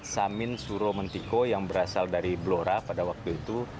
samin suro mentiko yang berasal dari blora pada waktu itu